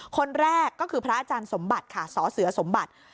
คนแรกก็คือพระอาจารย์สมบัติค่ะสเสือสมบัติ